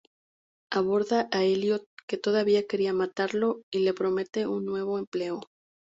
Aborda a Eliot, que todavía quería matarlo, y le promete un nuevo empleo.